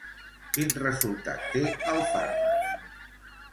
Quin resultat té el fàrmac?